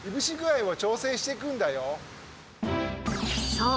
そう！